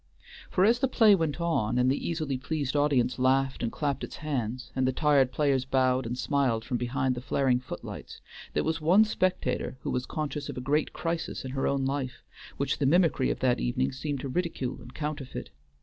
For as the play went on and the easily pleased audience laughed and clapped its hands, and the tired players bowed and smiled from behind the flaring foot lights, there was one spectator who was conscious of a great crisis in her own life, which the mimicry of that evening seemed to ridicule and counterfeit.